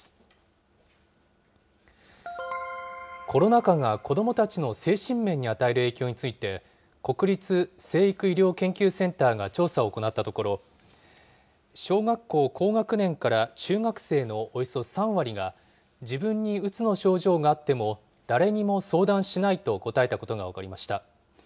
コロナ禍が子どもたちの精神面に与える影響について、国立成育医療研究センターが調査を行ったところ、小学校高学年から中学生のおよそ３割が、自分にうつの症状があっても誰にも相談しないと答えたことが分かりました。